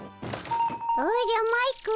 おじゃマイク。